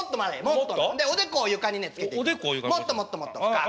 もっと？でおでこを床につけてもっともっともっと深く。